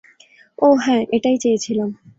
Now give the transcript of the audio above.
ওহ হ্যাঁ, এটাই চেয়েছিলাম।